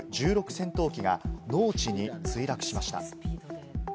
戦闘機が農地に墜落しました。